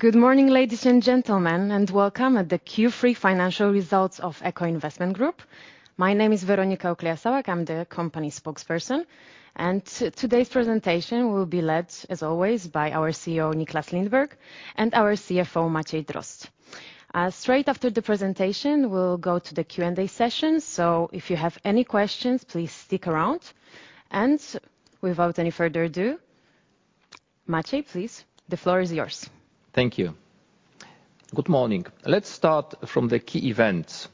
Good morning, ladies and gentlemen, and welcome at the Q3 financial results of Echo Investment Group. My name is Weronika Ukleja-Sałak, I'm the company spokesperson, and today's presentation will be led, as always, by our CEO, Nicklas Lindberg, and our CFO, Maciej Drozd. Straight after the presentation, we'll go to the Q&A session, so if you have any questions, please stick around, and without any further ado, Maciej, please, the floor is yours. Thank you. Good morning. Let's start from the key events.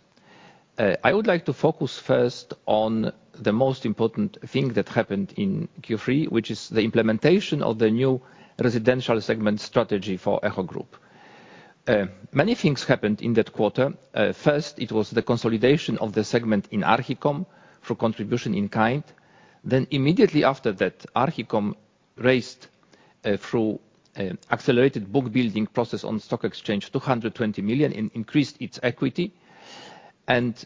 I would like to focus first on the most important thing that happened in Q3, which is the implementation of the new residential segment strategy for Echo Group. Many things happened in that quarter. First, it was the consolidation of the segment in Archicom for contribution in kind. Then immediately after that, Archicom raised through Accelerated Book Building process on stock exchange, 220 million and increased its equity, and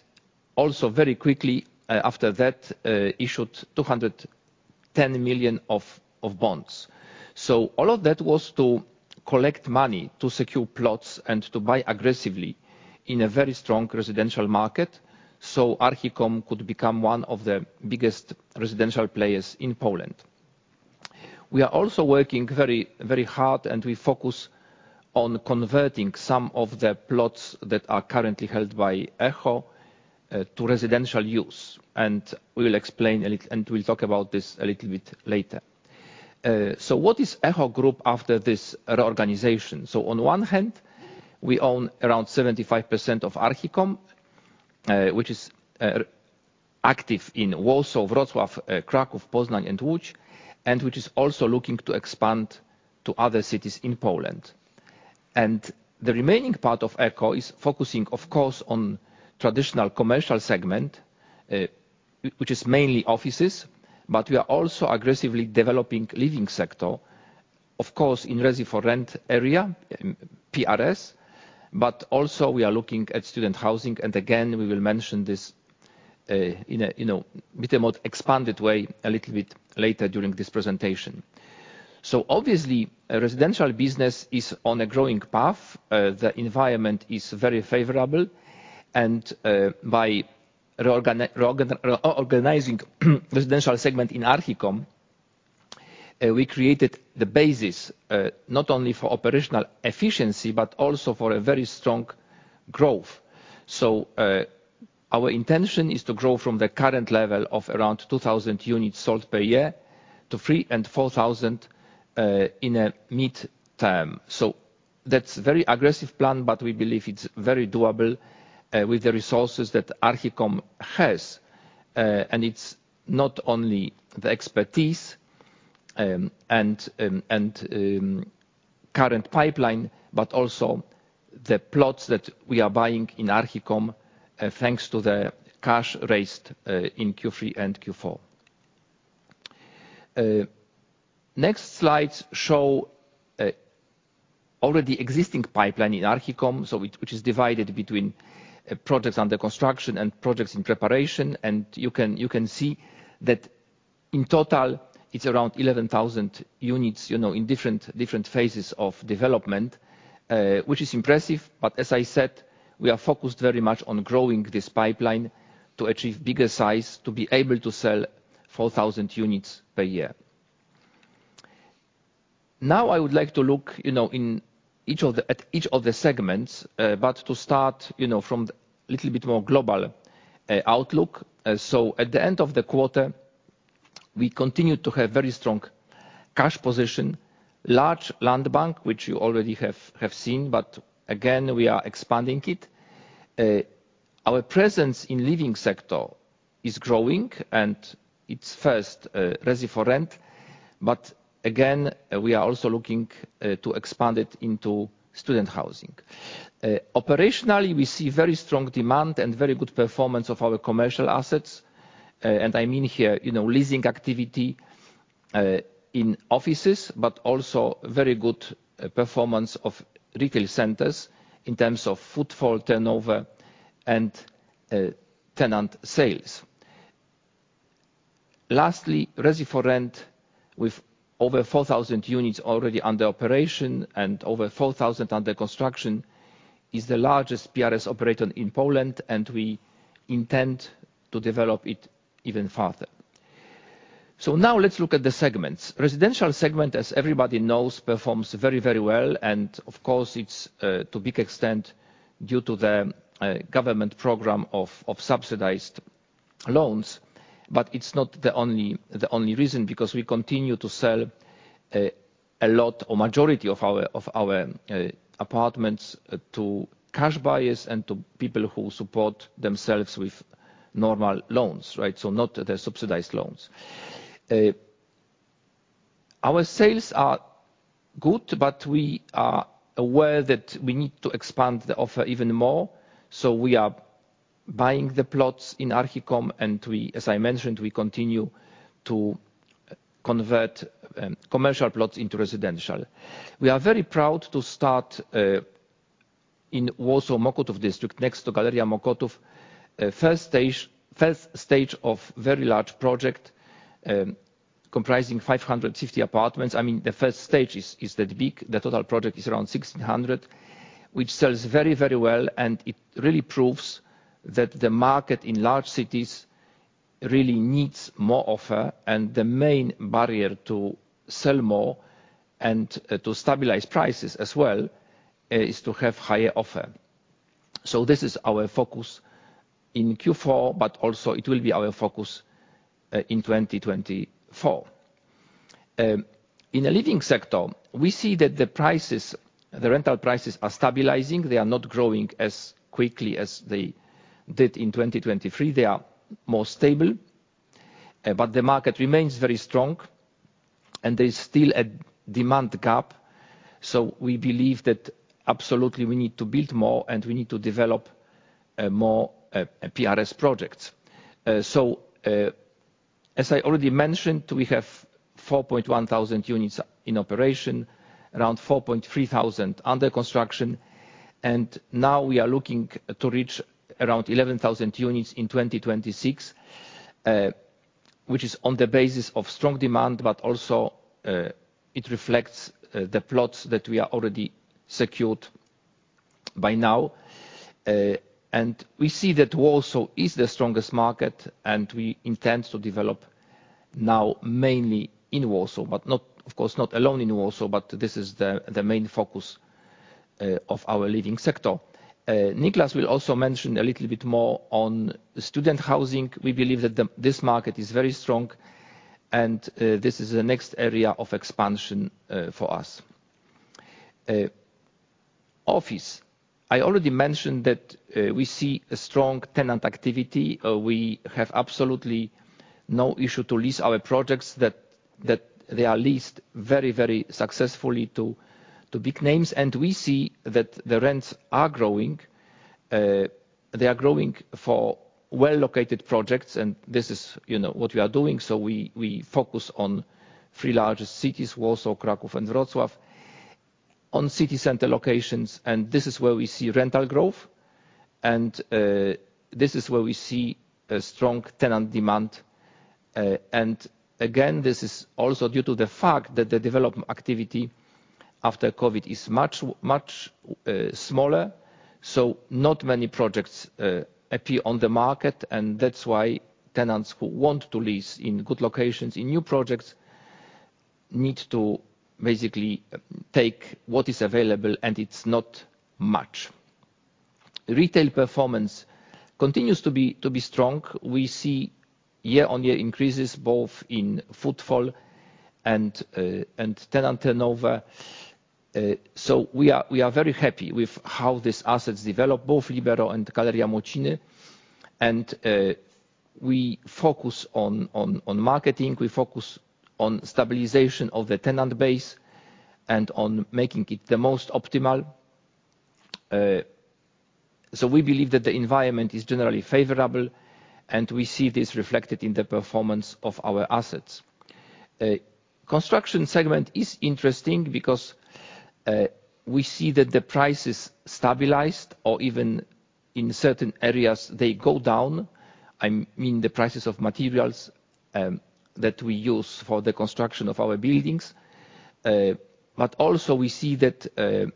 also very quickly after that issued 210 million of bonds. So all of that was to collect money to secure plots and to buy aggressively in a very strong residential market, so Archicom could become one of the biggest residential players in Poland. We are also working very, very hard, and we focus on converting some of the plots that are currently held by Echo to residential use. And we'll talk about this a little bit later. So what is Echo Group after this reorganization? So on one hand, we own around 75% of Archicom, which is active in Warsaw, Wrocław, Kraków, Poznań, and Łódź, and which is also looking to expand to other cities in Poland. The remaining part of Echo is focusing, of course, on traditional commercial segment, which is mainly offices, but we are also aggressively developing living sector, of course, in Resi4Rent area, PRS, but also we are looking at student housing, and again, we will mention this, in a, you know, bit a more expanded way a little bit later during this presentation. So obviously, a residential business is on a growing path. The environment is very favorable, and, by organizing, residential segment in Archicom, we created the basis, not only for operational efficiency, but also for a very strong growth. So, our intention is to grow from the current level of around 2,000 units sold per year to 3,000 and 4,000, in a midterm. So that's very aggressive plan, but we believe it's very doable with the resources that Archicom has. And it's not only the expertise and current pipeline, but also the plots that we are buying in Archicom, thanks to the cash raised in Q3 and Q4. Next slides show already existing pipeline in Archicom, so which is divided between projects under construction and projects in preparation. And you can see that in total, it's around 11,000 units, you know, in different phases of development, which is impressive, but as I said, we are focused very much on growing this pipeline to achieve bigger size, to be able to sell 4,000 units per year. Now, I would like to look, you know, at each of the segments, but to start, you know, from little bit more global outlook. So at the end of the quarter, we continued to have very strong cash position, large land bank, which you already have seen, but again, we are expanding it. Our presence in living sector is growing, and it's first, Resi4Rent, but again, we are also looking to expand it into student housing. Operationally, we see very strong demand and very good performance of our commercial assets, and I mean here, you know, leasing activity in offices, but also very good performance of retail centers in terms of footfall turnover and tenant sales. Lastly, Resi4Rent with over 4,000 units already under operation and over 4,000 under construction, is the largest PRS operator in Poland, and we intend to develop it even farther. Now let's look at the segments. Residential segment, as everybody knows, performs very, very well, and of course, it's to a big extent due to the government program of subsidized loans, but it's not the only reason, because we continue to sell a lot or majority of our apartments to cash buyers and to people who support themselves with normal loans, right? So not the subsidized loans. Our sales are good, but we are aware that we need to expand the offer even more, so we are buying the plots in Archicom, and we, as I mentioned, we continue to convert commercial plots into residential. We are very proud to start in Warsaw, Mokotów district, next to Galeria Mokotów. First stage, first stage of very large project, comprising 550 apartments. I mean, the first stage is, is that big. The total project is around 1,600, which sells very, very well, and it really proves that the market in large cities really needs more offer, and the main barrier to sell more and to stabilize prices as well is to have higher offer. So this is our focus in Q4, but also it will be our focus in 2024. In the living sector, we see that the prices, the rental prices are stabilizing. They are not growing as quickly as they did in 2023. They are more stable, but the market remains very strong, and there is still a demand gap. So we believe that absolutely we need to build more, and we need to develop more PRS projects. So, as I already mentioned, we have 4,100 units in operation, around 4,300 under construction, and now we are looking to reach around 11,000 units in 2026, which is on the basis of strong demand, but also it reflects the plots that we are already secured by now. And we see that Warsaw is the strongest market, and we intend to develop now mainly in Warsaw, but not, of course, not alone in Warsaw, but this is the main focus of our living sector. Nicklas will also mention a little bit more on student housing. We believe that this market is very strong, and this is the next area of expansion for us. Office, I already mentioned that, we see a strong tenant activity. We have absolutely no issue to lease our projects that they are leased very, very successfully to big names, and we see that the rents are growing. They are growing for well-located projects, and this is, you know, what we are doing, so we focus on three largest cities, Warsaw, Kraków, and Wrocław, on city center locations, and this is where we see rental growth, and this is where we see a strong tenant demand. And again, this is also due to the fact that the development activity after COVID is much, much smaller, so not many projects appear on the market, and that's why tenants who want to lease in good locations, in new projects, need to basically take what is available, and it's not much. Retail performance continues to be strong. We see year-on-year increases, both in footfall and tenant turnover. So we are very happy with how these assets develop, both Libero and Galeria Mokotów. We focus on marketing, we focus on stabilization of the tenant base and on making it the most optimal. So we believe that the environment is generally favorable, and we see this reflected in the performance of our assets. Construction segment is interesting because we see that the price is stabilized or even in certain areas, they go down. I mean, the prices of materials that we use for the construction of our buildings. But also we see that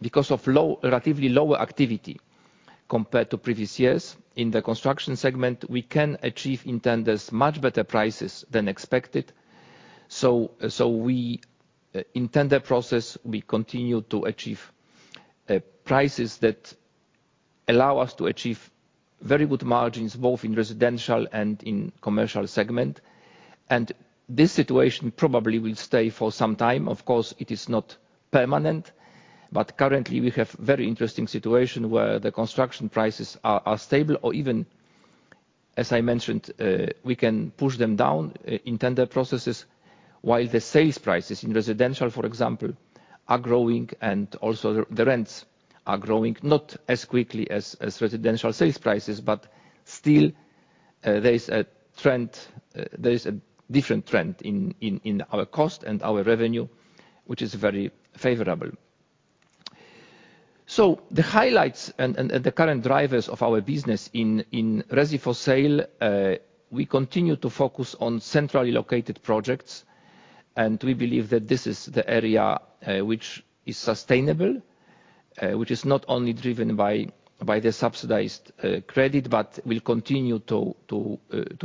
because of low, relatively lower activity compared to previous years in the construction segment, we can achieve in tenders much better prices than expected. So we in tender process continue to achieve prices that allow us to achieve very good margins, both in residential and in commercial segment. This situation probably will stay for some time. Of course, it is not permanent, but currently, we have very interesting situation where the construction prices are stable or even, as I mentioned, we can push them down in tender processes, while the sales prices in residential, for example, are growing and also the rents are growing. Not as quickly as residential sales prices, but still, there is a trend, there is a different trend in our cost and our revenue, which is very favorable. So the highlights and the current drivers of our business in Resi4Sale, we continue to focus on centrally located projects, and we believe that this is the area, which is sustainable, which is not only driven by the subsidized credit, but will continue to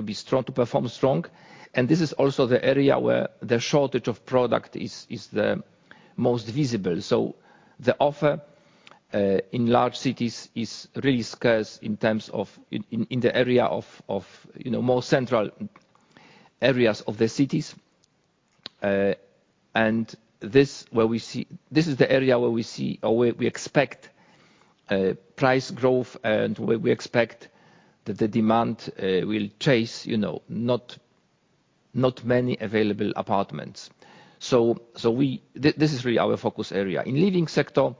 be strong, to perform strong. And this is also the area where the shortage of product is the most visible. So the offer in large cities is really scarce in terms of in the area of, you know, more central areas of the cities. And this is the area where we see or where we expect price growth, and where we expect that the demand will chase, you know, not many available apartments. So we, this is really our focus area. In living sector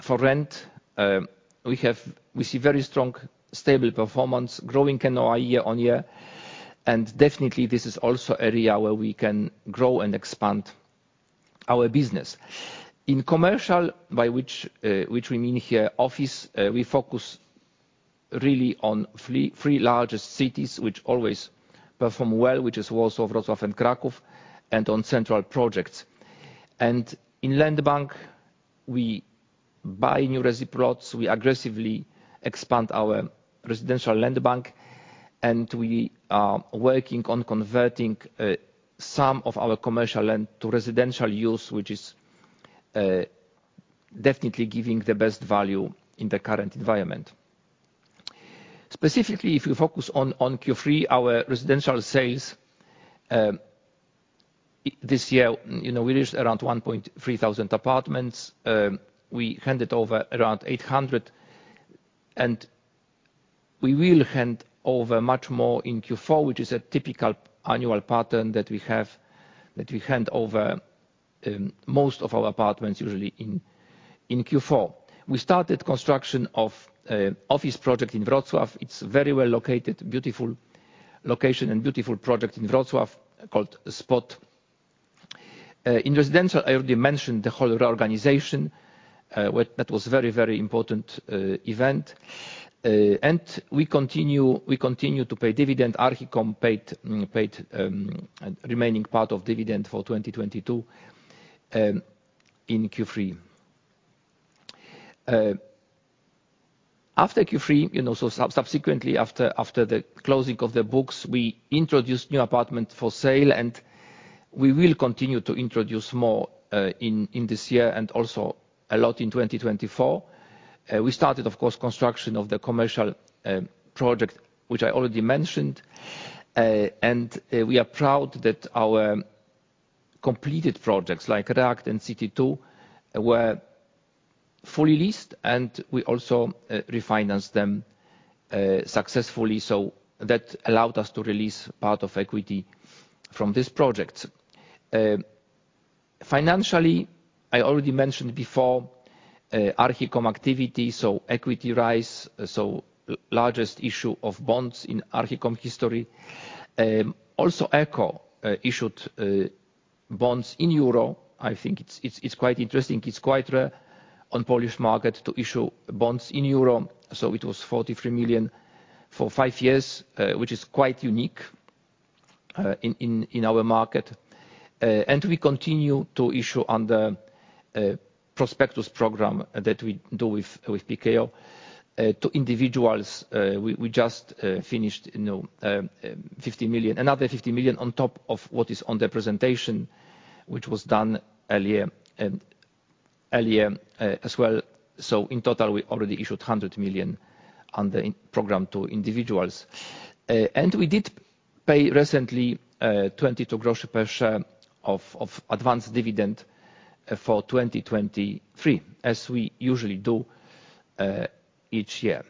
for rent, we see very strong, stable performance, growing NOI year-on-year and definitely this is also area where we can grow and expand our business. In commercial, by which we mean here office, we focus really on three largest cities, which always perform well, which is Warsaw, Wrocław, and Kraków, and on central projects. In land bank, we buy new resi plots, we aggressively expand our residential land bank, and we are working on converting some of our commercial land to residential use, which is definitely giving the best value in the current environment. Specifically, if you focus on Q3, our residential sales this year, you know, we reached around 1,300 apartments. We handed over around 800, and we will hand over much more in Q4, which is a typical annual pattern that we have, that we hand over most of our apartments usually in Q4. We started construction of office project in Wrocław. It's very well located, beautiful location and beautiful project in Wrocław called SPOT. In residential, I already mentioned the whole reorganization, where that was very, very important event. We continue to pay dividend. Archicom paid remaining part of dividend for 2022 in Q3. After Q3, you know, so subsequently after the closing of the books, we introduced new apartment for sale, and we will continue to introduce more in this year and also a lot in 2024. We started, of course, construction of the commercial project, which I already mentioned. We are proud that our completed projects, like React and City 2, were fully leased, and we also refinanced them successfully. So that allowed us to release part of equity from this project. Financially, I already mentioned before, Archicom activity, so equity rise, so largest issue of bonds in Archicom history. Also, Echo issued bonds in Euro. I think it's quite interesting. It's quite rare on Polish market to issue bonds in Euro, so it was 43 million for five years, which is quite unique in our market. And we continue to issue on the prospectus program that we do with PKO to individuals. We just finished, you know, 50 million, another 50 million on top of what is on the presentation, which was done earlier and earlier, as well. So in total, we already issued 100 million on the program to individuals. And we did pay recently, 22 groszy per share of advanced dividend for 2023, as we usually do, each year.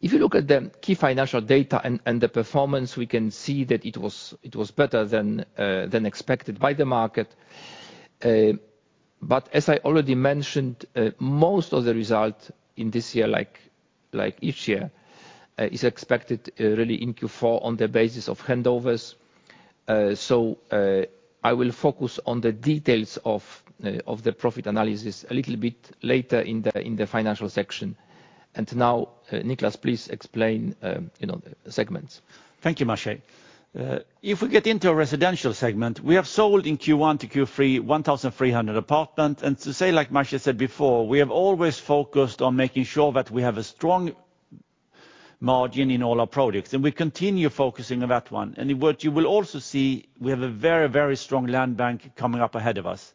If you look at the key financial data and the performance, we can see that it was better than expected by the market. As I already mentioned, most of the result in this year, like each year, is expected really in Q4 on the basis of handovers. I will focus on the details of the profit analysis a little bit later in the financial section. Now, Nicklas, please explain, you know, the segments. Thank you, Maciej. If we get into a residential segment, we have sold in Q1 to Q3, 1,300 apartments. And to say, like Maciej said before, we have always focused on making sure that we have a strong margin in all our products, and we continue focusing on that one. And what you will also see, we have a very, very strong land bank coming up ahead of us.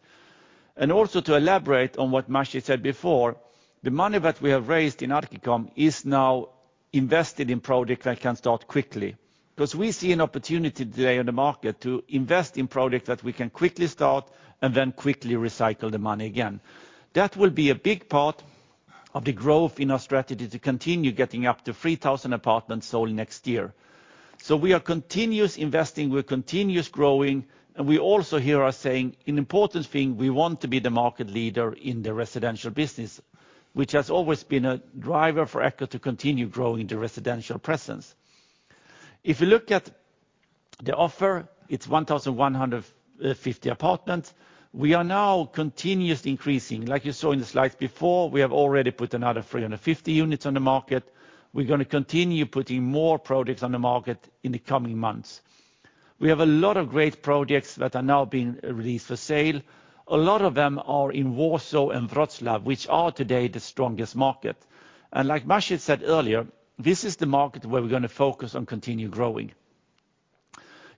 And also, to elaborate on what Maciej said before, the money that we have raised in Archicom is now invested in product that can start quickly. 'Cause we see an opportunity today in the market to invest in products that we can quickly start and then quickly recycle the money again. That will be a big part of the growth in our strategy to continue getting up to 3,000 apartments sold next year. So we are continuous investing, we're continuous growing, and we also hear us saying, an important thing, we want to be the market leader in the residential business, which has always been a driver for Echo to continue growing the residential presence. If you look at the offer, it's 1,150 apartments. We are now continuously increasing. Like you saw in the slides before, we have already put another 350 units on the market. We're gonna continue putting more products on the market in the coming months. We have a lot of great projects that are now being released for sale. A lot of them are in Warsaw and Wrocław, which are today the strongest market. And like Maciej said earlier, this is the market where we're gonna focus on continue growing.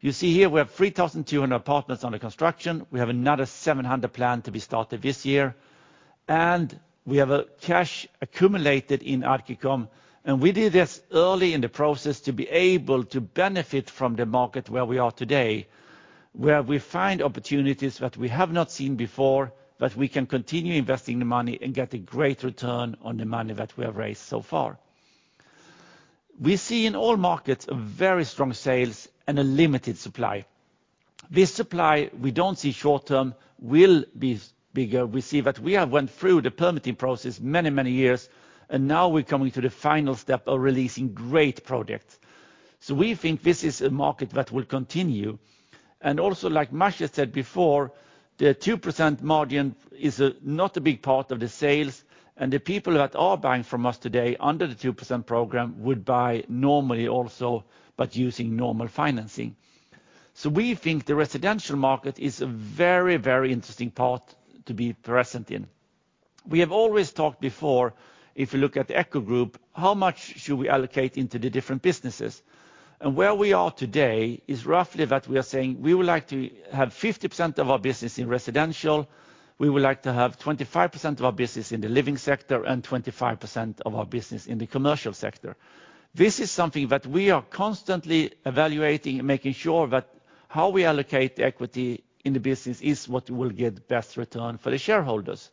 You see here we have 3,200 apartments under construction. We have another 700 planned to be started this year. We have cash accumulated in Archicom, and we did this early in the process to be able to benefit from the market where we are today, where we find opportunities that we have not seen before, that we can continue investing the money and get a great return on the money that we have raised so far. We see in all markets very strong sales and a limited supply. This supply, we don't see short term, will be bigger. We see that we have went through the permitting process many, many years, and now we're coming to the final step of releasing great projects. So we think this is a market that will continue. And also, like Maciej said before, the 2% margin is not a big part of the sales, and the people that are buying from us today under the 2% program would buy normally also, but using normal financing. So we think the residential market is a very, very interesting part to be present in. We have always talked before, if you look at the Echo Group, how much should we allocate into the different businesses? And where we are today is roughly that we are saying we would like to have 50% of our business in residential, we would like to have 25% of our business in the living sector, and 25% of our business in the commercial sector. This is something that we are constantly evaluating and making sure that how we allocate equity in the business is what will get best return for the shareholders.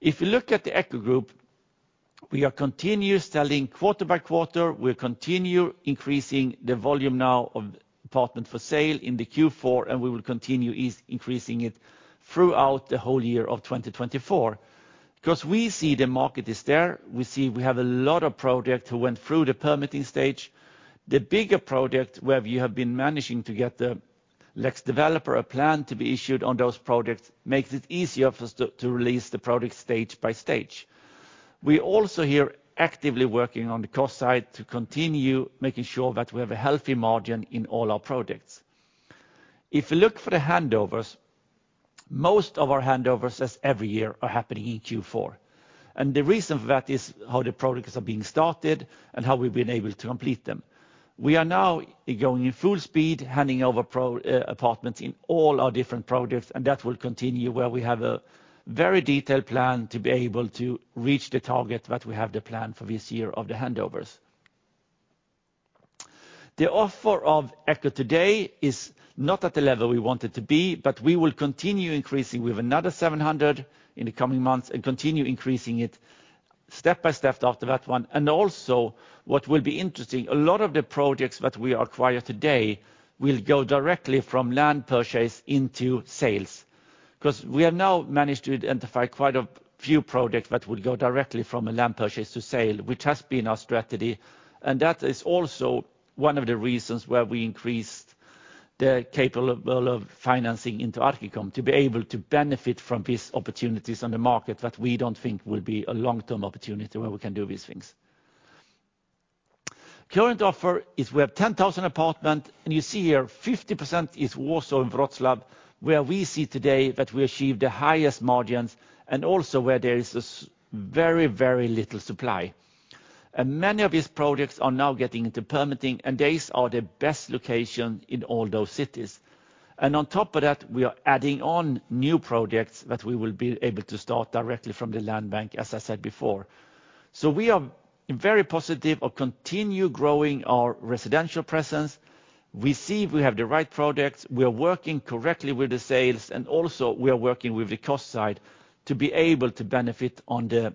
If you look at the Echo Group, we are continuous selling quarter by quarter. We're continue increasing the volume now of apartment for sale in the Q4, and we will continue increasing it throughout the whole year of 2024. 'Cause we see the market is there. We see we have a lot of project who went through the permitting stage. The bigger project, where we have been managing to get the Lex Developer, a plan to be issued on those projects, makes it easier for us to, to release the project stage by stage. We also here actively working on the cost side to continue making sure that we have a healthy margin in all our projects. If you look for the handovers, most of our handovers, as every year, are happening in Q4. And the reason for that is how the projects are being started and how we've been able to complete them. We are now going in full speed, handing over pro, apartments in all our different projects, and that will continue, where we have a very detailed plan to be able to reach the target that we have the plan for this year of the handovers. The offer of Echo today is not at the level we want it to be, but we will continue increasing. We have another 700 in the coming months and continue increasing it step by step after that one. And also, what will be interesting, a lot of the projects that we acquire today will go directly from land purchase into sales. 'Cause we have now managed to identify quite a few projects that would go directly from a land purchase to sale, which has been our strategy, and that is also one of the reasons why we increased the capital of financing into Archicom, to be able to benefit from these opportunities on the market that we don't think will be a long-term opportunity where we can do these things. Current offer is we have 10,000 apartments, and you see here 50% is Warsaw and Wrocław, where we see today that we achieve the highest margins and also where there is a very, very little supply. And many of these projects are now getting into permitting, and these are the best locations in all those cities. And on top of that, we are adding on new projects that we will be able to start directly from the land bank, as I said before. So we are very positive or continue growing our residential presence. We see we have the right products, we are working correctly with the sales, and also we are working with the cost side to be able to benefit on the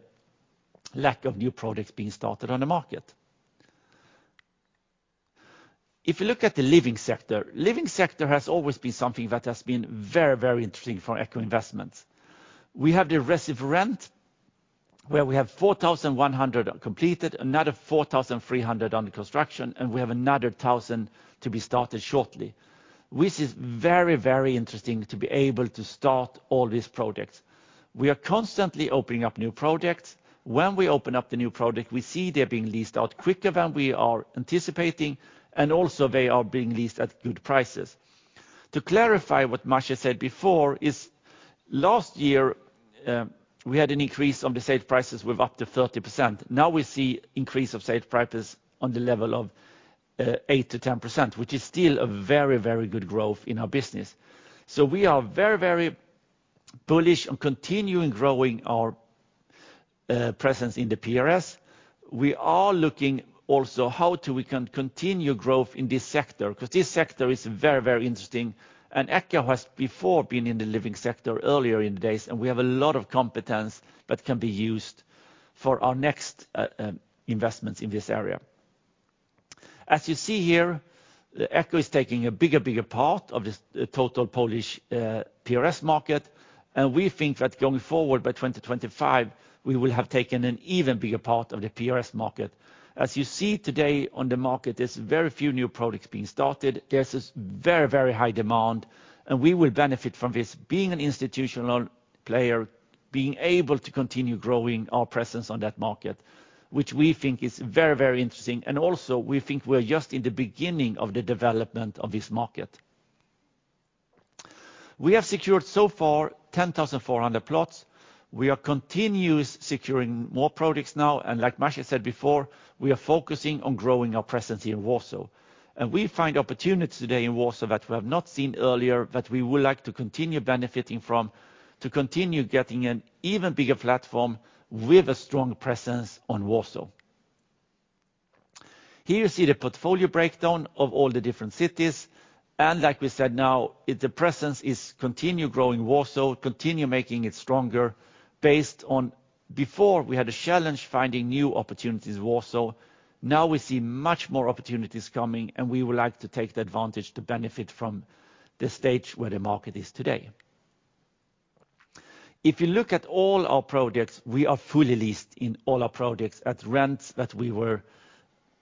lack of new projects being started on the market. If you look at the living sector, living sector has always been something that has been very, very interesting for Echo Investment. We have the Resi4Rent, where we have 4,100 completed, another 4,300 under construction, and we have another 1,000 to be started shortly, which is very, very interesting to be able to start all these projects. We are constantly opening up new projects. When we open up the new project, we see they're being leased out quicker than we are anticipating, and also they are being leased at good prices. To clarify what Maciej said before, is last year, we had an increase on the sale prices with up to 30%. Now we see increase of sale prices on the level of, eight to ten percent, which is still a very, very good growth in our business. So we are very, very bullish on continuing growing our, presence in the PRS. We are looking also how to we can continue growth in this sector, 'cause this sector is very, very interesting, and Echo has before been in the living sector earlier in the days, and we have a lot of competence that can be used for our next, investments in this area. As you see here, Echo is taking a bigger, bigger part of this, the total Polish PRS market, and we think that going forward by 2025, we will have taken an even bigger part of the PRS market. As you see today on the market, there's very few new products being started. There's this very, very high demand, and we will benefit from this, being an institutional player, being able to continue growing our presence on that market, which we think is very, very interesting, and also we think we're just in the beginning of the development of this market. We have secured so far 10,400 plots. We are continuous securing more products now, and like Maciej said before, we are focusing on growing our presence in Warsaw. We find opportunities today in Warsaw that we have not seen earlier, that we would like to continue benefiting from, to continue getting an even bigger platform with a strong presence on Warsaw. Here you see the portfolio breakdown of all the different cities, and like we said, now, the presence is continue growing Warsaw, continue making it stronger, based on. Before, we had a challenge finding new opportunities in Warsaw. Now we see much more opportunities coming, and we would like to take the advantage to benefit from the stage where the market is today. If you look at all our projects, we are fully leased in all our projects at rents that we were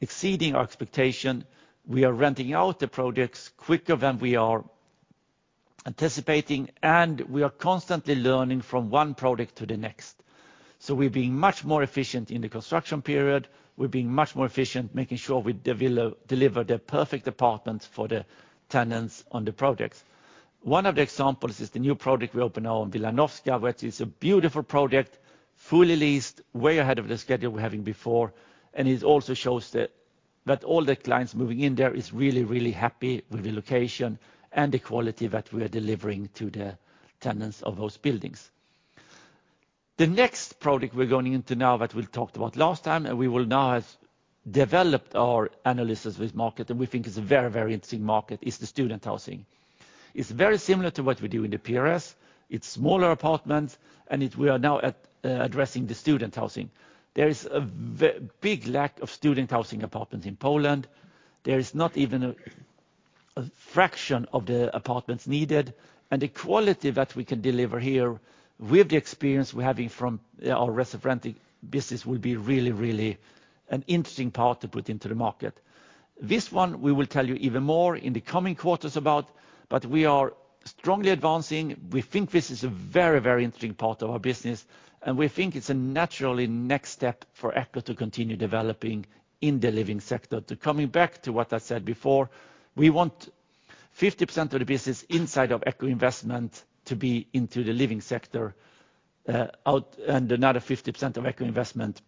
exceeding our expectation. We are renting out the projects quicker than we are anticipating, and we are constantly learning from one project to the next. So we're being much more efficient in the construction period. We're being much more efficient, making sure we deliver the perfect apartments for the tenants on the projects. One of the examples is the new project we opened now on Wilanowska, which is a beautiful project, fully leased, way ahead of the schedule we're having before. And it also shows that, that all the clients moving in there is really, really happy with the location and the quality that we are delivering to the tenants of those buildings. The next project we're going into now that we talked about last time, and we will now have developed our analysis with market, and we think it's a very, very interesting market, is the student housing. It's very similar to what we do in the PRS. It's smaller apartments, and we are now at, addressing the student housing. There is a very big lack of student housing apartments in Poland. There is not even a fraction of the apartments needed, and the quality that we can deliver here with the experience we're having from our Resi4Rent business will be really, really an interesting part to put into the market. This one, we will tell you even more in the coming quarters about, but we are strongly advancing. We think this is a very, very interesting part of our business, and we think it's a naturally next step for Echo to continue developing in the living sector. Coming back to what I said before, we want 50% of the business inside of Echo Investment to be into the living sector, out, and another 50% of Echo Investment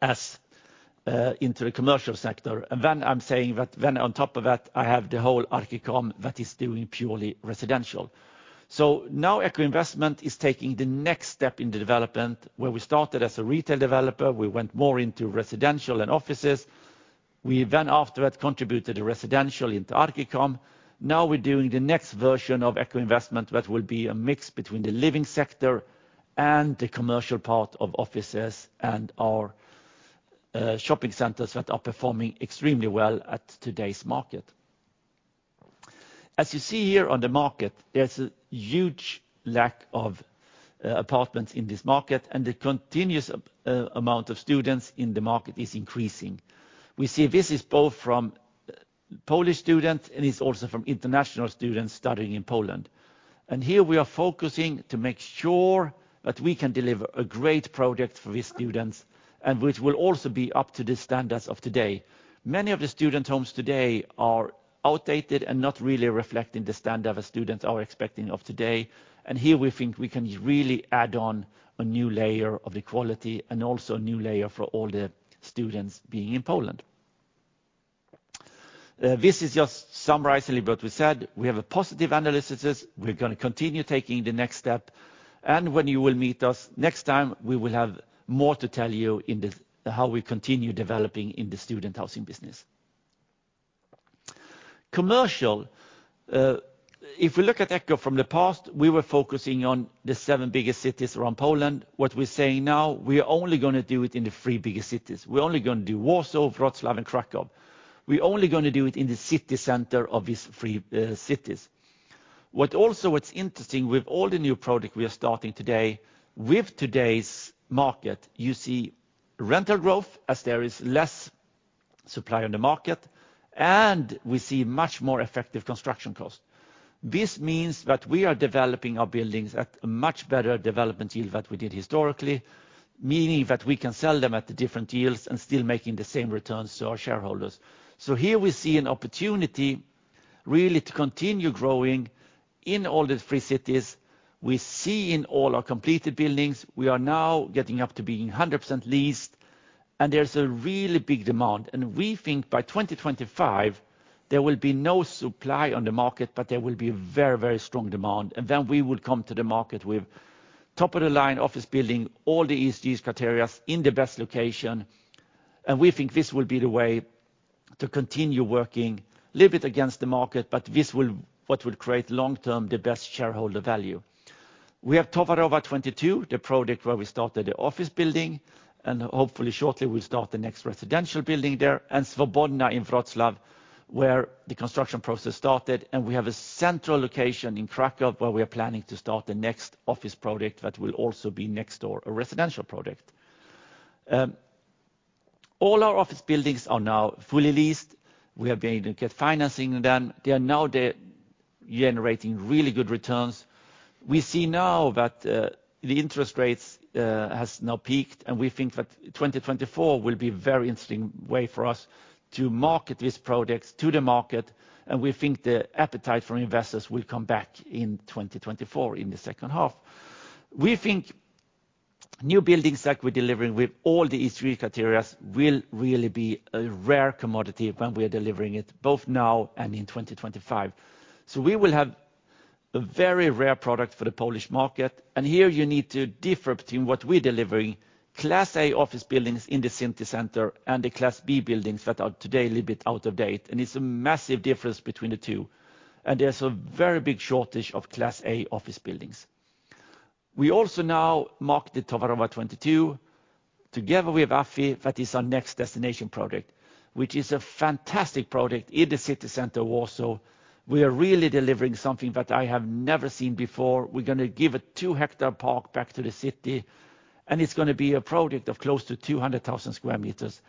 as into the commercial sector. And then I'm saying that then on top of that, I have the whole Archicom that is doing purely residential. So now, Echo Investment is taking the next step in the development, where we started as a retail developer, we went more into residential and offices. We then, after that, contributed a residential into Archicom. Now we're doing the next version of Echo Investment, that will be a mix between the living sector and the commercial part of offices and our shopping centers that are performing extremely well at today's market. As you see here on the market, there's a huge lack of apartments in this market, and the continuous amount of students in the market is increasing. We see this is both from Polish students, and it's also from international students studying in Poland. Here we are focusing to make sure that we can deliver a great project for these students and which will also be up to the standards of today. Many of the student homes today are outdated and not really reflecting the standard that students are expecting of today, and here we think we can really add on a new layer of equality and also a new layer for all the students being in Poland. This is just summarizing what we said. We have a positive analysis. We're gonna continue taking the next step, and when you will meet us next time, we will have more to tell you in this, how we continue developing in the student housing business. Commercial, if we look at Echo from the past, we were focusing on the seven biggest cities around Poland. What we're saying now, we are only gonna do it in the three biggest cities. We're only gonna do Warsaw, Wrocław, and Kraków. We're only gonna do it in the city center of these three cities. What's also interesting with all the new project we are starting today, with today's market, you see rental growth as there is less supply on the market, and we see much more effective construction cost. This means that we are developing our buildings at a much better development yield than we did historically, meaning that we can sell them at the different yields and still making the same returns to our shareholders. So here we see an opportunity, really, to continue growing in all the three cities. We see in all our completed buildings, we are now getting up to being 100% leased, and there's a really big demand. We think by 2025, there will be no supply on the market, but there will be a very, very strong demand. And then we will come to the market with top-of-the-line office building, all the ESG criteria in the best location. And we think this will be the way to continue working, little bit against the market, but this will—what will create long-term the best shareholder value. We have Towarowa 22, the project where we started the office building, and hopefully shortly we'll start the next residential building there, and Swobodna in Wrocław, where the construction process started. And we have a central location in Kraków, where we are planning to start the next office project that will also be next door, a residential project. All our office buildings are now fully leased. We are going to get financing done. They are now the generating really good returns. We see now that, the interest rates, has now peaked, and we think that 2024 will be very interesting way for us to market these products to the market, and we think the appetite for investors will come back in 2024, in the second half. We think new buildings that we're delivering with all the ESG criteria will really be a rare commodity when we're delivering it, both now and in 2025. So we will have a very rare product for the Polish market, and here you need to differ between what we're delivering Class A office buildings in the city center and the Class B buildings that are today a little bit out of date, and it's a massive difference between the two, and there's a very big shortage of Class A office buildings. We also now mark the Towarowa 22, together with AFI, that is our next destination project, which is a fantastic project in the city center, Warsaw. We are really delivering something that I have never seen before. We're gonna give a 2-hectare park back to the city, and it's gonna be a project of close to 200,000 square meters.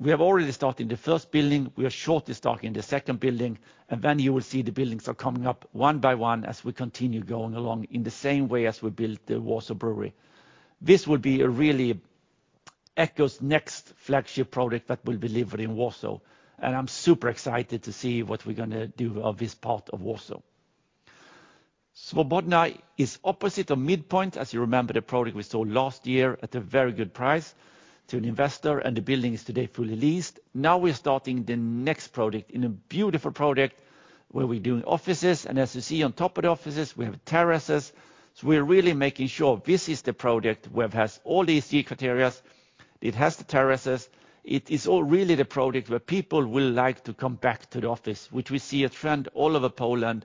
We have already started the first building. We are shortly starting the second building, and then you will see the buildings are coming up one by one as we continue going along, in the same way as we built the Warsaw Brewery. This will be a really, Echo's next flagship project that will deliver in Warsaw, and I'm super excited to see what we're gonna do of this part of Warsaw. Swobodna is opposite of MidPoint, as you remember, the product we sold last year at a very good price to an investor, and the building is today fully leased. Now we're starting the next project, in a beautiful project, where we're doing offices, and as you see on top of the offices, we have terraces. So we're really making sure this is the project where it has all the ESG criteria. It has the terraces. It is all really the project where people will like to come back to the office, which we see a trend all over Poland,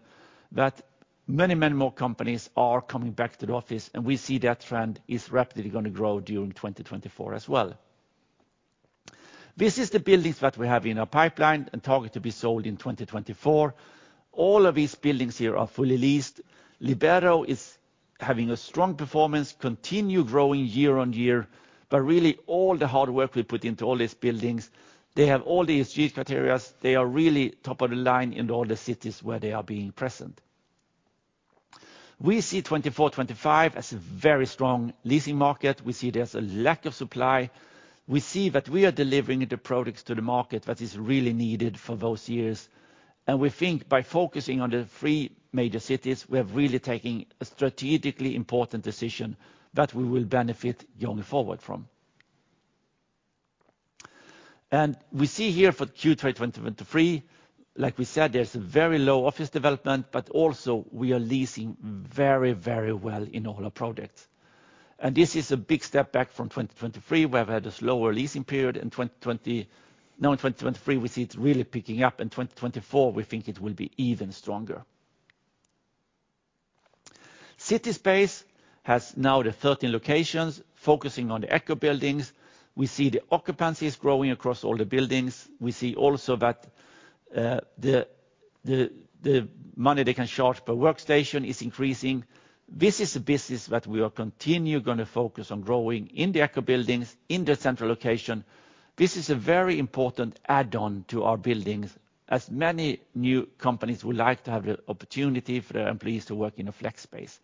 that many, many more companies are coming back to the office, and we see that trend is rapidly gonna grow during 2024 as well. This is the buildings that we have in our pipeline and target to be sold in 2024. All of these buildings here are fully leased. Libero is having a strong performance, continue growing yearon-year, but really all the hard work we put into all these buildings, they have all the ESG criteria. They are really top of the line in all the cities where they are being present. We see 2024, 2025 as a very strong leasing market. We see there's a lack of supply. We see that we are delivering the products to the market that is really needed for those years, and we think by focusing on the three major cities, we are really taking a strategically important decision that we will benefit going forward from. And we see here for Q3 2023, like we said, there's a very low office development, but also we are leasing very, very well in all our projects. This is a big step back from 2023, where we had a slower leasing period in 2020. Now in 2023, we see it's really picking up. In 2024, we think it will be even stronger. CitySpace has now 13 locations focusing on the Echo buildings. We see the occupancies growing across all the buildings. We see also that the money they can charge per workstation is increasing. This is a business that we are continue gonna focus on growing in the Echo buildings, in the central location. This is a very important add-on to our buildings, as many new companies would like to have the opportunity for their employees to work in a flex space.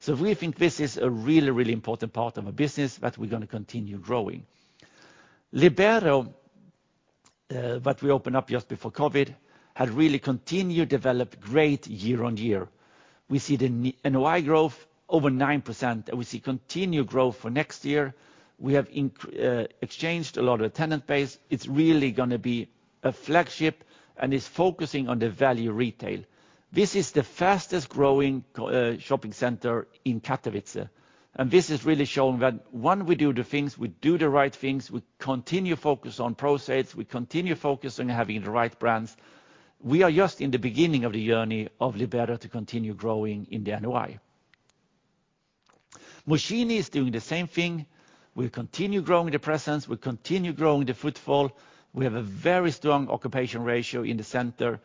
So we think this is a really, really important part of our business that we're gonna continue growing. Libero that we opened up just before COVID had really continued to develop great year-on-year. We see the NOI growth over 9%, and we see continued growth for next year. We have exchanged a lot of the tenant base. It's really gonna be a flagship and is focusing on the value retail. This is the fastest growing shopping center in Katowice, and this has really shown that when we do the things, we do the right things, we continue focus on pro sales, we continue focusing on having the right brands. We are just in the beginning of the journey of Libero to continue growing in the NOI. Mokotów is doing the same thing. We continue growing the presence, we continue growing the footfall. We have a very strong occupancy ratio in the center,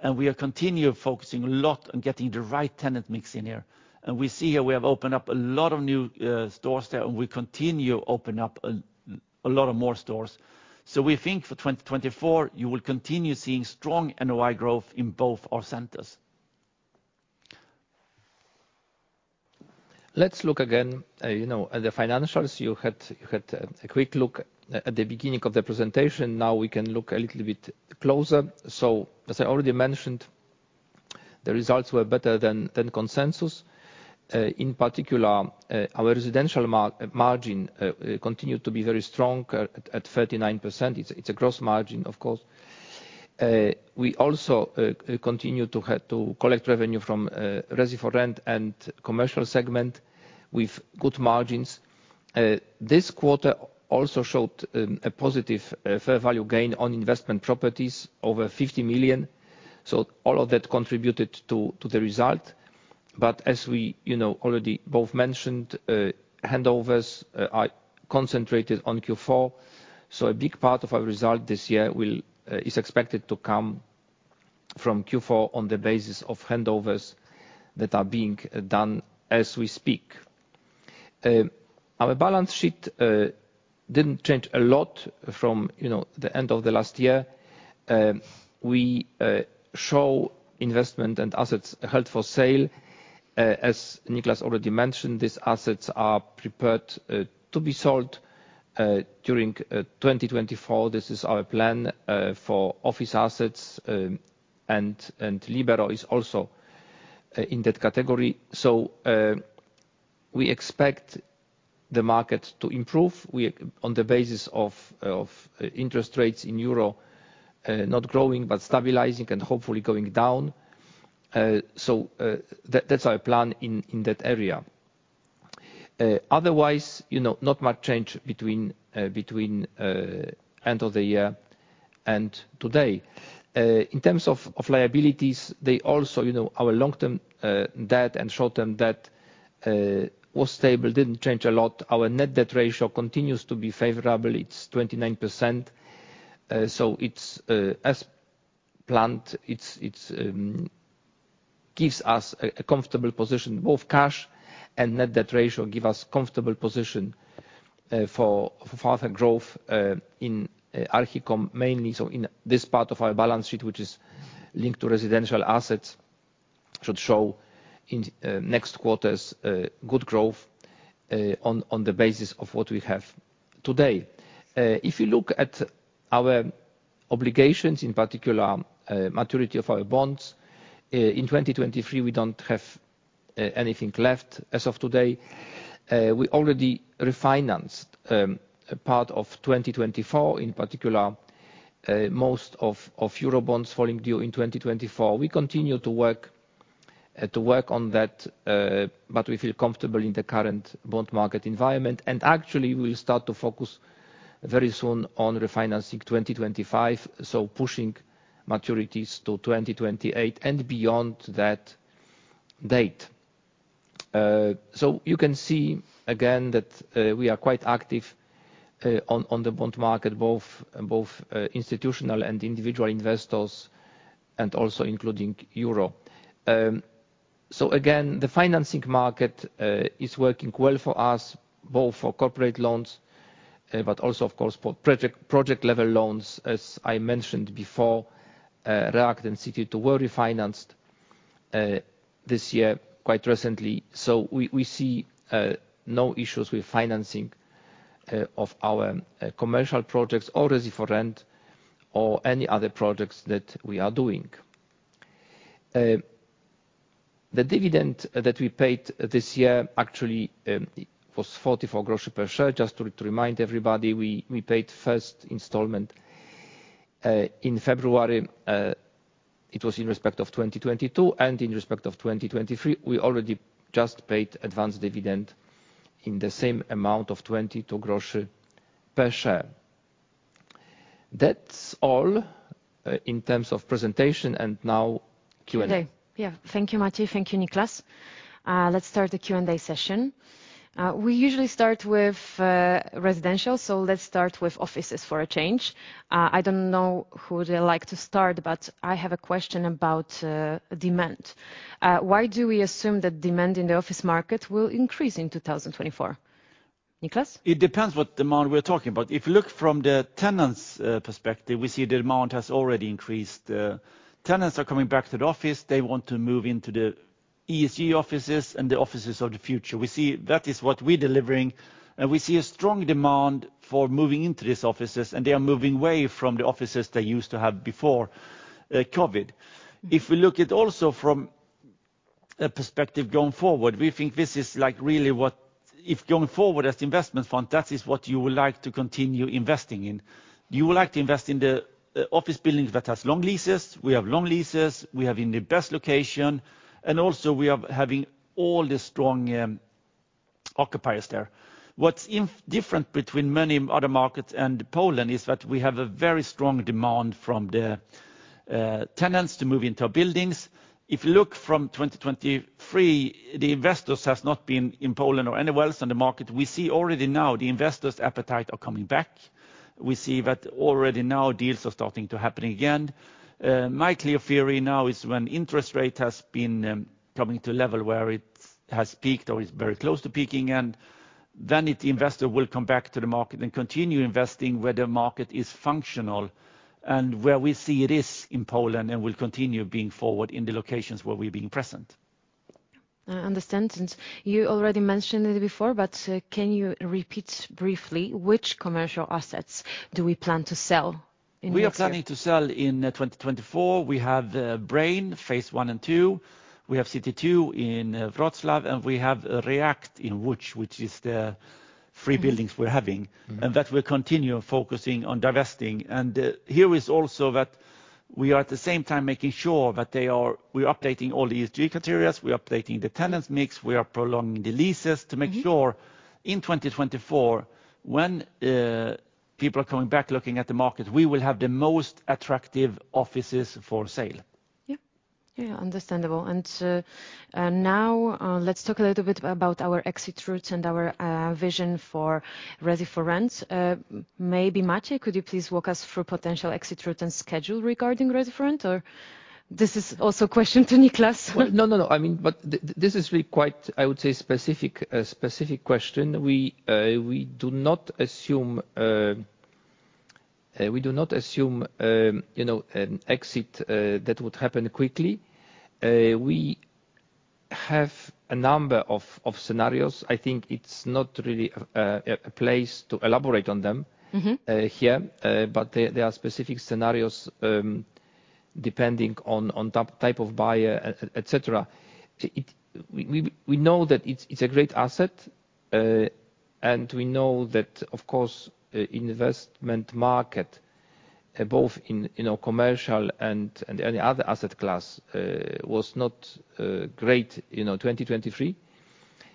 and we are continue focusing a lot on getting the right tenant mix in here. And we see here we have opened up a lot of new stores there, and we continue open up a lot of more stores. So we think for 2024, you will continue seeing strong NOI growth in both our centers. Let's look again, you know, at the financials. You had a quick look at the beginning of the presentation. Now we can look a little bit closer. So, as I already mentioned, the results were better than consensus. In particular, our residential margin continued to be very strong at 39%. It's a gross margin, of course. We also continue to have to collect revenue fromResi4Rent and commercial segment with good margins. This quarter also showed a positive fair value gain on investment properties, over 50 million. So all of that contributed to the result. But as we, you know, already both mentioned, handovers are concentrated on Q4, so a big part of our result this year will, is expected to come from Q4 on the basis of handovers that are being done as we speak. Our balance sheet didn't change a lot from, you know, the end of the last year. We show investment and assets held for sale. As Nicklas already mentioned, these assets are prepared to be sold during 2024. This is our plan for office assets, and, and Libero is also in that category. So, we expect the market to improve. We are on the basis of, of interest rates in Euro, not growing, but stabilizing and hopefully going down... so, that's our plan in, in that area. Otherwise, you know, not much change between end of the year and today. In terms of liabilities, they also, you know, our long-term debt and short-term debt was stable, didn't change a lot. Our net debt ratio continues to be favorable, it's 29%. So it's as planned, it's gives us a comfortable position, both cash and net debt ratio give us comfortable position for further growth in Archicom mainly. So in this part of our balance sheet, which is linked to residential assets, should show in next quarter's good growth on the basis of what we have today. If you look at our obligations, in particular, maturity of our bonds in 2023, we don't have anything left as of today. We already refinanced a part of 2024, in particular, most of Euro bonds falling due in 2024. We continue to work on that, but we feel comfortable in the current bond market environment, and actually, we'll start to focus very soon on refinancing 2025, so pushing maturities to 2028 and beyond that date. So you can see again that we are quite active on the bond market, both institutional and individual investors, and also including Euro. So again, the financing market is working well for us, both for corporate loans, but also of course for project-level loans. As I mentioned before, React and City 2 were refinanced this year, quite recently. So we see no issues with financing of our commercial projects or as if for rent or any other projects that we are doing. The dividend that we paid this year, actually, it was 44 gross per share. Just to remind everybody, we paid first installment in February. It was in respect of 2022, and in respect of 2023, we already just paid advanced dividend in the same amount of 22 gross per share. That's all in terms of presentation, and now Q&A. Okay. Yeah. Thank you, Maciej. Thank you, Nicklas. Let's start the Q&A session. We usually start with residential, so let's start with offices for a change. I don't know who they like to start, but I have a question about demand. Why do we assume that demand in the office market will increase in 2024? Nicklas? It depends what demand we're talking about. If you look from the tenants' perspective, we see the demand has already increased. Tenants are coming back to the office, they want to move into the ESG offices and the offices of the future. We see that is what we're delivering, and we see a strong demand for moving into these offices, and they are moving away from the offices they used to have before COVID. If we look at also from a perspective going forward, we think this is like really what... If going forward as the investment fund, that is what you would like to continue investing in. You would like to invest in the office buildings that has long leases. We have long leases, we have in the best location, and also we are having all the strong occupiers there. What's different between many other markets and Poland is that we have a very strong demand from the tenants to move into our buildings. If you look from 2023, the investors has not been in Poland or anywhere else on the market. We see already now, the investors' appetite are coming back. We see that already now, deals are starting to happen again. My clear theory now is when interest rate has been coming to a level where it has peaked or is very close to peaking, and then if the investor will come back to the market and continue investing where the market is functional, and where we see it is in Poland, and will continue being forward in the locations where we've been present. I understand. Since you already mentioned it before, but, can you repeat briefly which commercial assets do we plan to sell in next year? We are planning to sell in 2024. We have Brain phase I and II, we have City2 in Wrocław, and we have React, which is the three buildings we're having. Mm-hmm. That will continue focusing on divesting. Here is also that we are at the same time making sure that they are, we're updating all the ESG criteria, we are updating the tenants mix, we are prolonging the leases. Mm-hmm. To make sure in 2024, when people are coming back looking at the market, we will have the most attractive offices for sale. Yeah. Yeah, understandable. And now, let's talk a little bit about our exit routes and our vision for Resi4Rent. Maybe Maciej, could you please walk us through potential exit route and schedule regarding Resi4Rent? Or this is also a question to Nicklas? Well, no, no, no, I mean, but this is really quite, I would say, specific, a specific question. We do not assume, you know, an exit that would happen quickly. We have a number of scenarios. I think it's not really a place to elaborate on them- Mm-hmm... here, but there are specific scenarios, depending on type of buyer, et cetera. We know that it's a great asset, and we know that of course, investment market both in, in our commercial and, and any other asset class, was not, great, you know, 2023.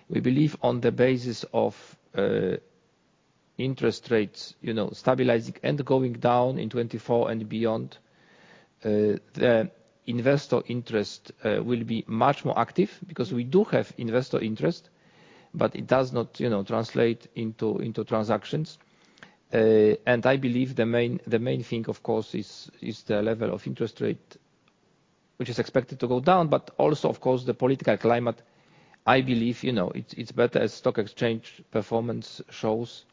We believe on the basis of, interest rates, you know, stabilizing and going down in 2024 and beyond, the investor interest, will be much more active. Because we do have investor interest, but it does not, you know, translate into, into transactions. And I believe the main, the main thing, of course, is, is the level of interest rate, which is expected to go down, but also, of course, the political climate. I believe, you know, it's, it's better as stock exchange performance shows.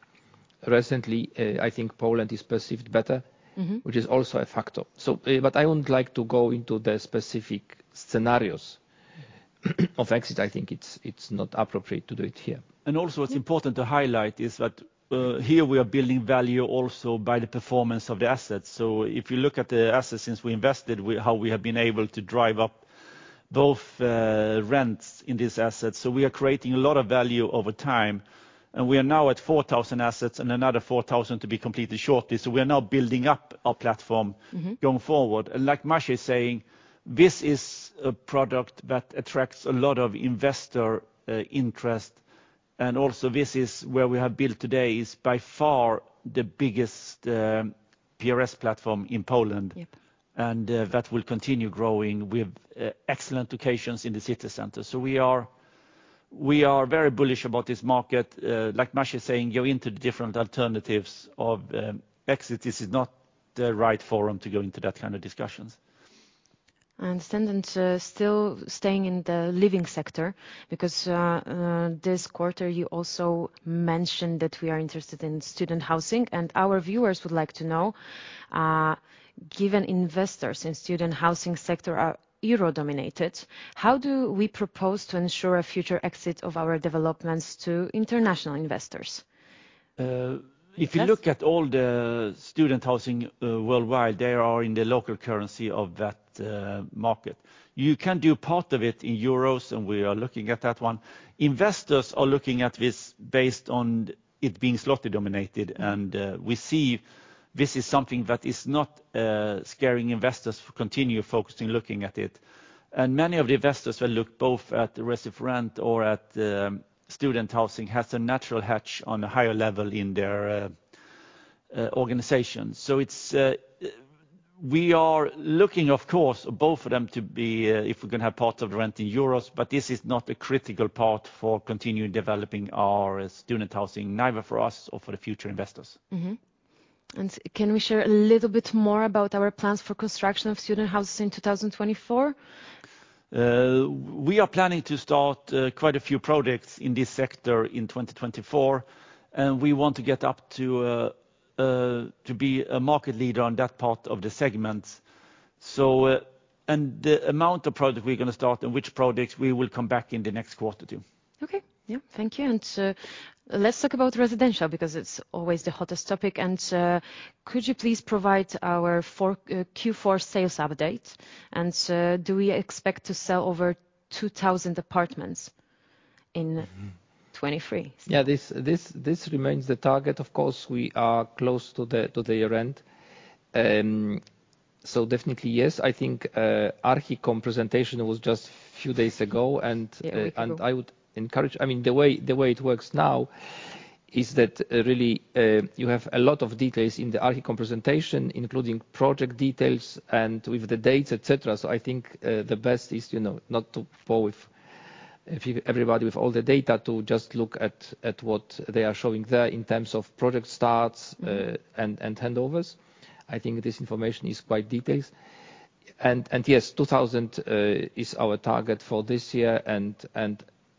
Recently, I think Poland is perceived better- Mm-hmm... which is also a factor. But I wouldn't like to go into the specific scenarios of exit. I think it's, it's not appropriate to do it here. And also, what's important to highlight is that, here we are building value also by the performance of the assets. So if you look at the assets since we invested, how we have been able to drive up both, rents in this asset. So we are creating a lot of value over time, and we are now at 4,000 assets and another 4,000 to be completed shortly. So we are now building up our platform going forward. Mm-hmm Like Maciej is saying, this is a product that attracts a lot of investor interest, and also, this is where we have built today is by far the biggest PRS platform in Poland. Yep. That will continue growing with excellent locations in the city center. So we are very bullish about this market. Like Maciej is saying, going into the different alternatives of exit, this is not the right forum to go into that kind of discussions. I understand. Still staying in the living sector, because this quarter, you also mentioned that we are interested in student housing. And our viewers would like to know, given investors in student housing sector are Euro-dominated, how do we propose to ensure a future exit of our developments to international investors? If you look at all the student housing worldwide, they are in the local currency of that market. You can do part of it in Euros, and we are looking at that one. Investors are looking at this based on it being złoty dominated, and we see this is something that is not scaring investors continue focusing, looking at it. And many of the investors will look both at the residential rent or at the student housing, has a natural hedge on a higher level in their organization. So it's... We are looking, of course, both of them to be, if we're gonna have part of the rent in Euros, but this is not a critical part for continuing developing our student housing, neither for us or for the future investors. Mm-hmm. Can we share a little bit more about our plans for construction of student houses in 2024? We are planning to start quite a few projects in this sector in 2024, and we want to get up to be a market leader on that part of the segment. So, and the amount of project we're gonna start and which projects we will come back in the next quarter, too. Okay. Yeah, thank you. And, let's talk about residential, because it's always the hottest topic. And, could you please provide our Q4 sales update? And, do we expect to sell over 2,000 apartments in- Mm-hmm ... 2023? Yeah, this, this, this remains the target. Of course, we are close to the, to the end. So definitely, yes. I think Archicom presentation was just few days ago, and Yeah, with you.... and I would encourage—I mean, the way it works now is that, really, you have a lot of details in the Archicom presentation, including project details and with the dates, et cetera. So I think, the best is, you know, not to bore everybody with all the data, to just look at what they are showing there in terms of project starts, and handovers. I think this information is quite detailed. And yes, 2,000 is our target for this year and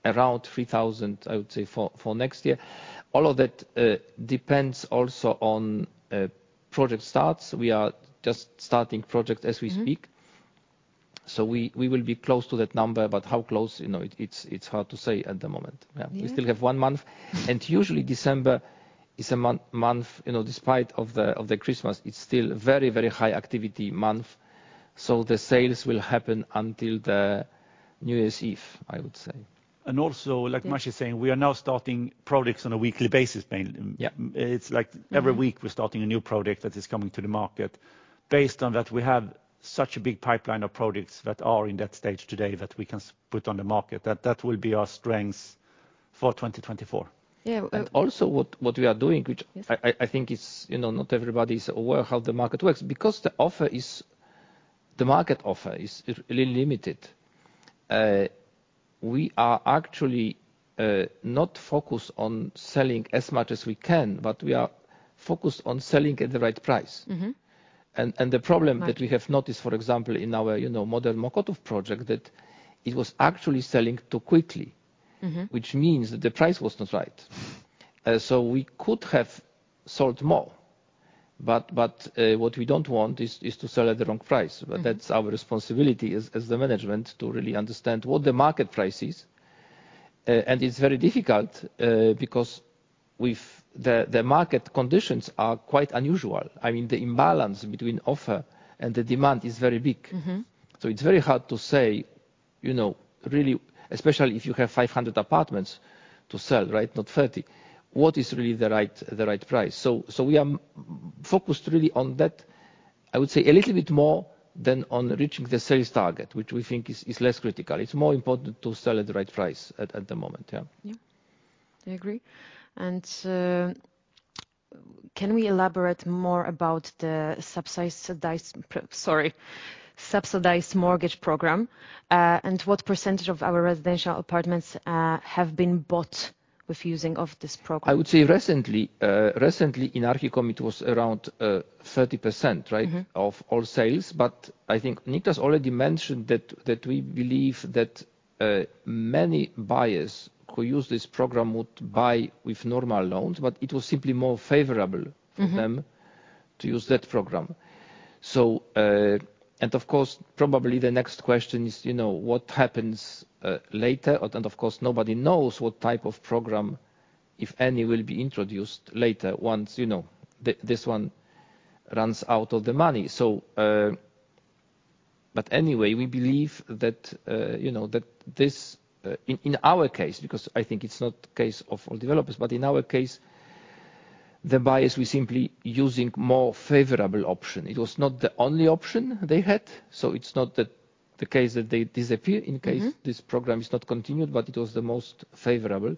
around 3,000, I would say, for next year. All of that depends also on project starts. We are just starting projects as we speak. Mm-hmm. We will be close to that number, but how close, you know, it's hard to say at the moment. Yeah. Yeah. We still have one month, and usually December is a month, you know, despite of the Christmas, it's still very, very high activity month. So the sales will happen until the New Year's Eve, I would say. Mm-hmm. And also, like Maciej is saying, we are now starting projects on a weekly basis, mainly. Yeah. It's like every week- Mm-hmm... we're starting a new project that is coming to the market. Based on that, we have such a big pipeline of projects that are in that stage today that we can put on the market, that will be our strengths for 2024. Yeah, uh- Also what, what we are doing, which- Yes... I think is, you know, not everybody is aware how the market works. Because the offer is, the market offer is really limited, we are actually not focused on selling as much as we can, but we are focused on selling at the right price. Mm-hmm. And the problem- Right... that we have noticed, for example, in our, you know, Modern Mokotów project, that it was actually selling too quickly. Mm-hmm. Which means that the price was not right. So we could have sold more, but what we don't want is to sell at the wrong price. Mm-hmm. That's our responsibility as the management to really understand what the market price is. And it's very difficult, because with the market conditions are quite unusual. I mean, the imbalance between offer and the demand is very big. Mm-hmm. So it's very hard to say, you know, really, especially if you have 500 apartments to sell, right? Not 30. What is really the right, the right price? So we are focused really on that, I would say a little bit more than on reaching the sales target, which we think is, is less critical. It's more important to sell at the right price at, at the moment, yeah. Yeah, I agree. Can we elaborate more about the subsidized mortgage program, and what percentage of our residential apartments have been bought with using of this program? I would say recently in Archicom, it was around 30%, right- Mm-hmm... of all sales. But I think Nicklas already mentioned that, that we believe that, many buyers who use this program would buy with normal loans, but it was simply more favorable. Mm-hmm... for them to use that program. So, and of course, probably the next question is, you know, what happens, later on? And of course, nobody knows what type of program, if any, will be introduced later once, you know, this one runs out of the money. So, but anyway, we believe that, you know, that this, in our case, because I think it's not the case of all developers, but in our case, the buyers were simply using more favorable option. It was not the only option they had, so it's not the case that they disappear- Mm-hmm... in case this program is not continued, but it was the most favorable.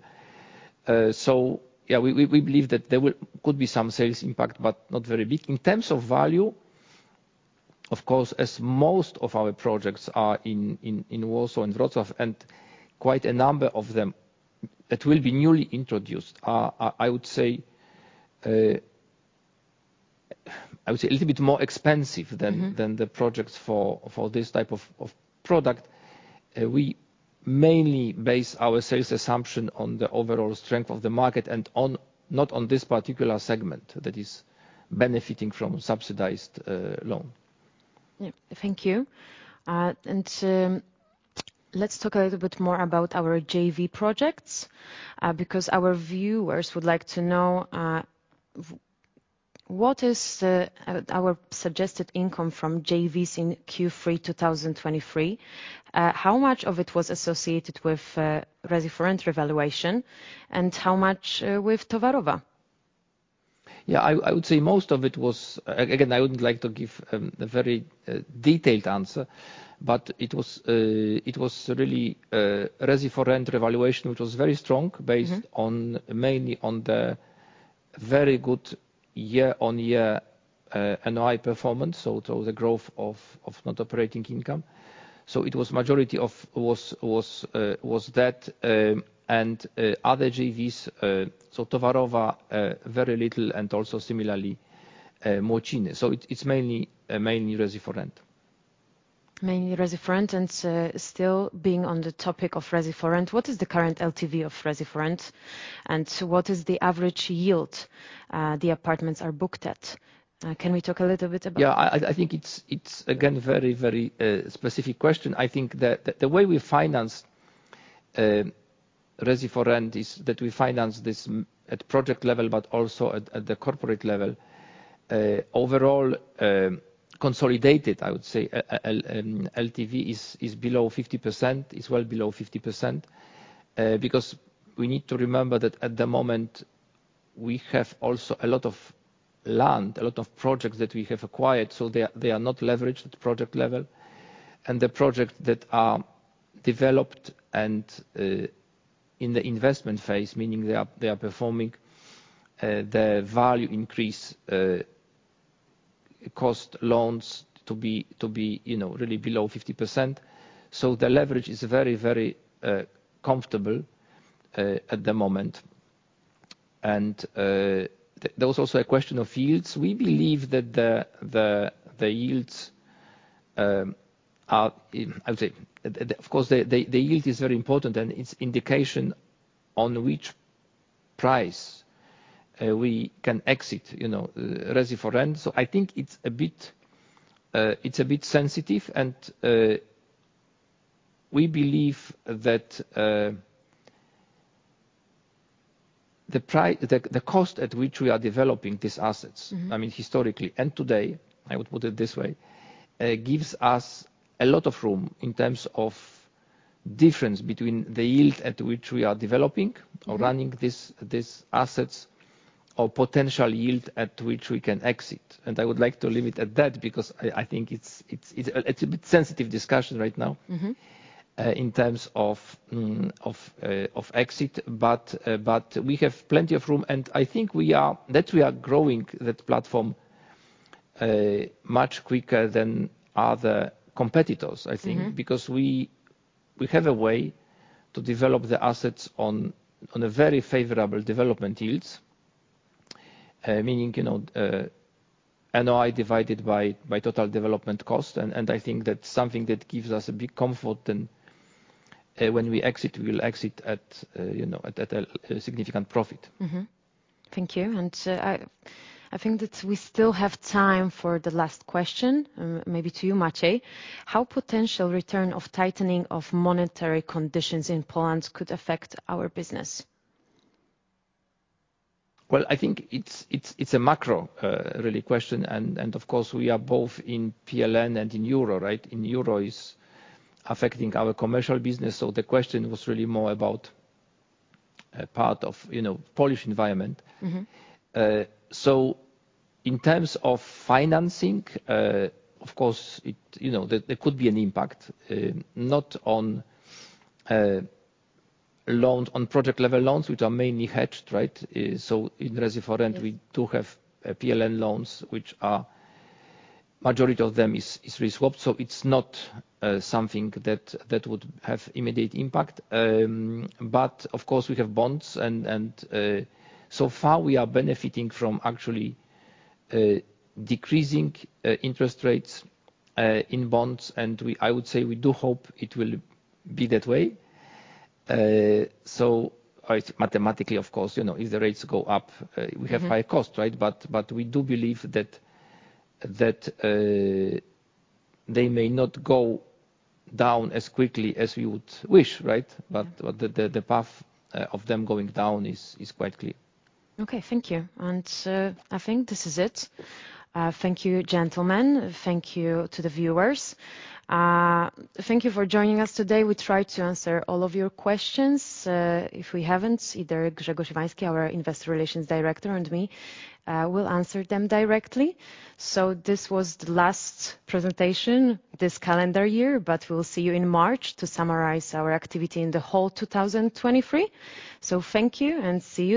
So yeah, we believe that there could be some sales impact, but not very big. In terms of value, of course, as most of our projects are in Warsaw and Wrocław, and quite a number of them that will be newly introduced are, I would say, a little bit more expensive than- Mm-hmm... than the projects for this type of product. We mainly base our sales assumption on the overall strength of the market and on, not on this particular segment that is benefiting from subsidized loan. Yeah. Thank you. Let's talk a little bit more about our JV projects, because our viewers would like to know what our suggested income from JVs in Q3 2023 is? How much of it was associated with Resi4Rent revaluation, and how much with Towarowa? Yeah, I would say most of it was... Again, I wouldn't like to give a very detailed answer, but it was really Resi4Rent revaluation, which was very strong- Mm-hmm... based on, mainly on the very good year-on-year NOI performance, so the growth of net operating income. So the majority of it was that, and other JVs, so Towarowa very little and also similarly, Młociny. So it's mainly Resi4Rent. Mainly Resi4Rent, and, still being on the topic of Resi4Rent, what is the current LTV of Resi4Rent, and what is the average yield, the apartments are booked at? Can we talk a little bit about- Yeah, I think it's again very specific question. I think that the way we finance Resi4Rent is that we finance this at project level, but also at the corporate level. Overall, consolidated, I would say, LTV is below 50%, is well below 50%. Because we need to remember that at the moment we have also a lot of land, a lot of projects that we have acquired, so they are not leveraged at project level. And the project that are developed and in the investment phase, meaning they are performing, the value increase cost loans to be, you know, really below 50%. So the leverage is very comfortable at the moment. And there was also a question of yields. We believe that the yields are in, I would say, of course, the yield is very important and it's indication on which price we can exit, you know, Resi4Rent. So I think it's a bit, it's a bit sensitive, and we believe that the cost at which we are developing these assets- Mm-hmm... I mean, historically and today, I would put it this way, gives us a lot of room in terms of difference between the yield at which we are developing- Mm-hmm ...or running these assets, or potential yield at which we can exit. I would like to leave it at that because I think it's a bit sensitive discussion right now. Mm-hmm ... in terms of exit, but we have plenty of room, and I think that we are growing that platform much quicker than other competitors, I think. Mm-hmm. Because we, we have a way to develop the assets on, on a very favorable development yields. Meaning, you know, NOI divided by, by total development cost, and, and I think that's something that gives us a big comfort, and, when we exit, we will exit at, you know, at a, a significant profit. Mm-hmm. Thank you. And, I think that we still have time for the last question, maybe to you, Maciej. How potential return of tightening of monetary conditions in Poland could affect our business? Well, I think it's a macro really question, and of course, we are both in PLN and in Euro, right? In Euro is affecting our commercial business, so the question was really more about a part of, you know, Polish environment. Mm-hmm. So in terms of financing, of course, you know, there could be an impact, not on loans on project level loans, which are mainly hedged, right? So in Resi4Rent- Yes... we do have, PLN loans, which are majority of them is, is reswapped, so it's not, something that, that would have immediate impact. But of course, we have bonds and, so far, we are benefiting from actually, decreasing, interest rates, in bonds, and we— I would say we do hope it will be that way. So I— mathematically, of course, you know, if the rates go up, Mm-hmm... we have higher costs, right? But we do believe that they may not go down as quickly as we would wish, right? Mm-hmm. But the path of them going down is quite clear. Okay, thank you. I think this is it. Thank you, gentlemen. Thank you to the viewers. Thank you for joining us today. We tried to answer all of your questions. If we haven't, either Grzegorz Iwański, our Investor Relations Director, and me, will answer them directly. This was the last presentation, this calendar year, but we'll see you in March to summarize our activity in the whole 2023. Thank you, and see you.